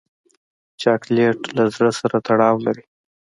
چاکلېټ له زړه سره تړاو لري.